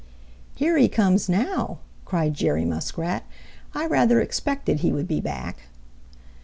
"Here he comes now," cried Jerry Muskrat. "I rather expected he would be back."